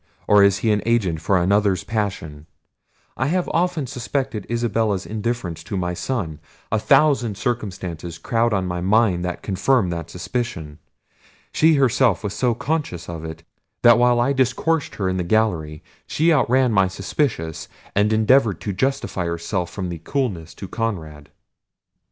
or is he an agent for another's passion? I have often suspected Isabella's indifference to my son: a thousand circumstances crowd on my mind that confirm that suspicion. She herself was so conscious of it, that while I discoursed her in the gallery, she outran my suspicions, and endeavoured to justify herself from coolness to Conrad."